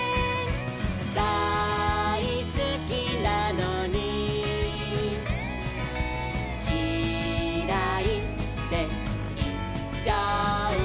「だいすきなのにキライっていっちゃう」